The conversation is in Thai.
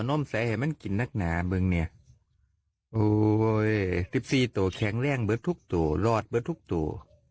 โอ้โหที่๑๔ตัวแข็งแรงเบื้อทุกตัวรอดเบื้อทุกตัว